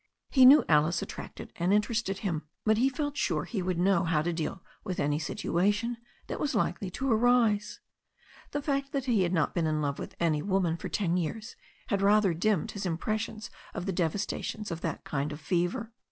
He knew Alice attracted and interested him. But he felt sure he would know how to deal with any situation that was likely to arise. The fact that he had not been in love with any woman for ten years had rather dimmed his impressions of the devastations of that kind of fever.